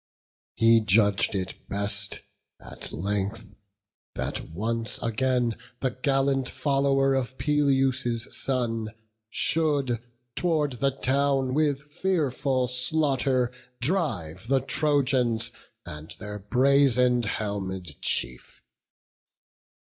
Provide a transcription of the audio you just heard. He judg'd it best at length, that once again The gallant follower of Peleus' son Should tow'rd the town with fearful slaughter drive The Trojans, and their brazen helmed chief.